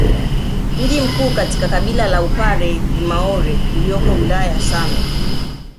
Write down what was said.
Mji mkuu katika kabila la upare ni maore ulioko wilaya ya same